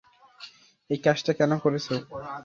এই কাজটা কেন করছ?